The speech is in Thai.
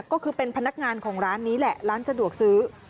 ก็คือเป็นพนักงานของร้านนี้แหละร้านสะดวกซื้อ